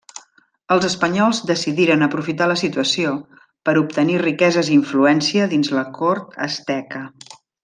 Els espanyols decidiren aprofitar la situació per obtenir riqueses i influencia dins la cort asteca.